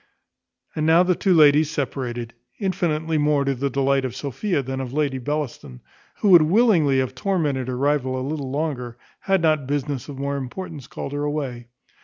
And now the two ladies separated, infinitely more to the delight of Sophia than of Lady Bellaston, who would willingly have tormented her rival a little longer, had not business of more importance called her away.